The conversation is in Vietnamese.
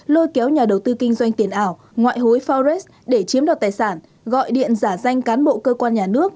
lôi kéo nhà đầu tư kinh doanh tiền ảo ngoại hối forex để chiếm đoạt tài sản gọi điện giả danh cán bộ cơ quan nhà nước